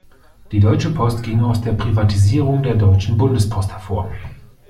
Die Deutsche Post ging aus der Privatisierung der Deutschen Bundespost hervor.